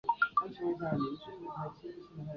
不过也并不是所有的评论员都喜欢这一集。